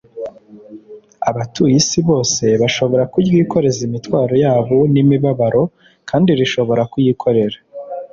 ’ abatuye isi bose bashobora kuryikoreza imitwaro yabo n’imibabaro; kandi rishobora kuyikorera